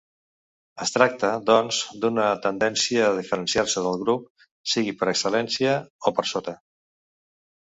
Es tracta, doncs, d'una tendència a diferenciar-se del grup, sigui per excel·lència o per sota.